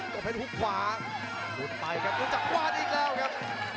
ประเภทหุบขวาหลุดไปครับดูจากกวาดอีกแล้วครับ